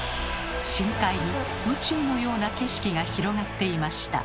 深海に宇宙のような景色が広がっていました。